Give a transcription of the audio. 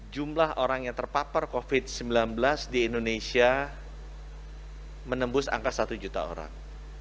jumlah orang yang terpapar covid sembilan belas di indonesia menembus angka satu juta orang